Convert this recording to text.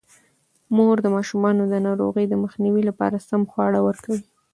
مور د ماشومانو د ناروغۍ د مخنیوي لپاره سم خواړه ورکوي.